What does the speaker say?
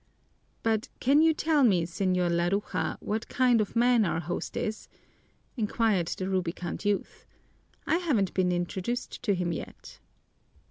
"But can you tell me, Señor Laruja, what kind of man our host is?" inquired the rubicund youth. "I haven't been introduced to him yet."